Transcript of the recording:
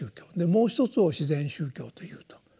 もう一つを「自然宗教」というと。